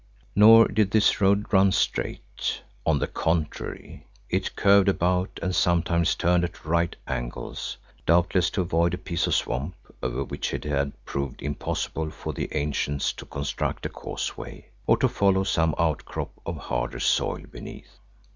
Nor did this road run straight; on the contrary, it curved about and sometimes turned at right angles, doubtless to avoid a piece of swamp over which it had proved impossible for the ancients to construct a causeway, or to follow some out crop of harder soil beneath.